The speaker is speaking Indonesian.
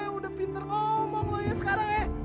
eh udah pinter ngomong lo ya sekarang ya